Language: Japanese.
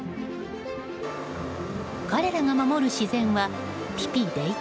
彼らが守る自然はピピ・レイ